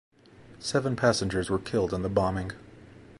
Seven passengers were killed in the bombing.